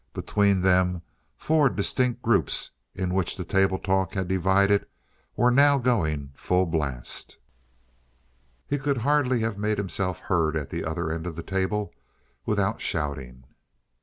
Between them four distinct groups into which the table talk had divided were now going at full blast. He could hardly have made himself heard at the other end of the table without shouting.